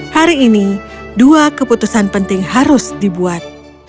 hari ini dua keputusan penting harus dibuat